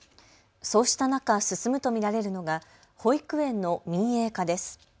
そうした中、進むと見られるのが保育園の民営化です。